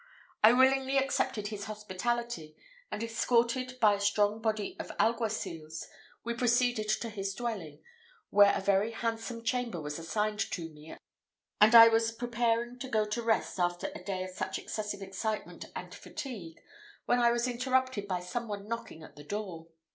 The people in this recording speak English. I willingly accepted his hospitality, and, escorted by a strong body of alguacils, we proceeded to his dwelling, where a very handsome chamber was assigned to me, and I was preparing to go to rest after a day of such excessive excitement and fatigue, when I was interrupted by some one knocking at the door.